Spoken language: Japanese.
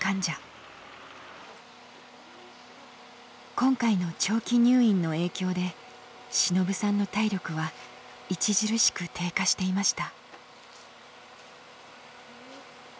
今回の長期入院の影響でしのぶさんの体力は著しく低下していました。